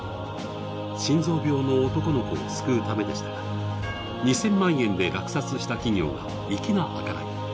心臓病の男の子を救うためでしたが、２０００万円で落札した企業が粋なはからい。